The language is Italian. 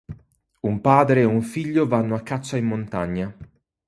Un padre e un figlio vanno a caccia in montagna.